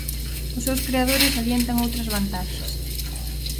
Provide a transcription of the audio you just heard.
Os seus creadores salientan outras vantaxes.